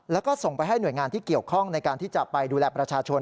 แล้วก็ส่งไปให้หน่วยงานที่เกี่ยวข้องในการที่จะไปดูแลประชาชน